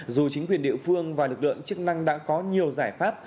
dù chính quyền địa phương và lực lượng chức năng đã có nhiều giải pháp